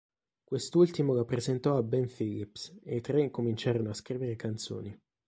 Quest'ultimo la presentò a Ben Phillips e i tre cominciarono a scrivere canzoni.